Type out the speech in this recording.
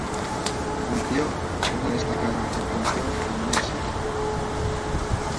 Cumplió una destacada actuación en Mexico.